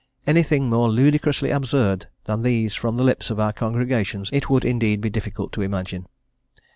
Any thing more ludicrously absurd than these from the lips of our congregations it would indeed be difficult to imagine.